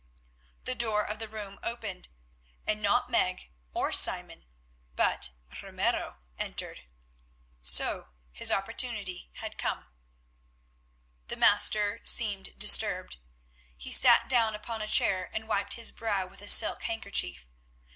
The door of the room opened, and not Meg or Simon, but Ramiro entered. So his opportunity had come! The Master seemed disturbed. He sat down upon a chair and wiped his brow with a silk handkerchief.